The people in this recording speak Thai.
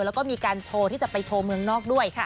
แล้วก็มีการโชว์ที่จะไปโชว์เมืองนอกด้วย